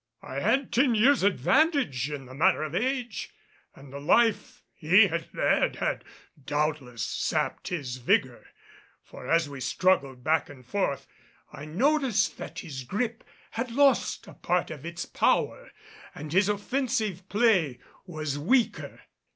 I had ten years advantage in the matter of age, and the life he had led had doubtless sapped his vigor. For as we struggled back and forth I noticed that his gripe had lost a part of its power and his offensive play was weaker.